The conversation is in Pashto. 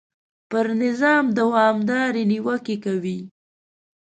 پر نظام دوامدارې نیوکې کوي.